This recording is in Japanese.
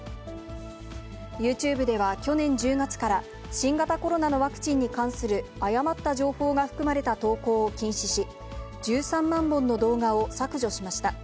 ユーチューブでは去年１０月から、新型コロナのワクチンに関する誤った情報が含まれた投稿を禁止し、１３万本の動画を削除しました。